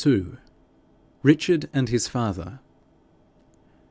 RICHARD AND HIS FATHER.